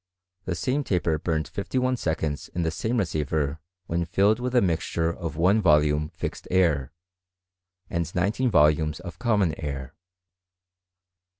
The same taper burnt fifty •ne seconds in the same receiver when filled with a mixture of one volume fixed air, and nineteen volumes of common air.